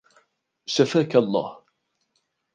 شفاك الله